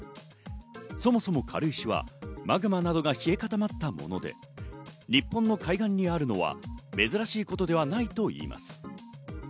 そもそも軽石はマグマなどが冷え固まったもので、日本の海岸にあるのは珍しいことではないといいます。